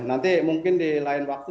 nanti mungkin di lain waktu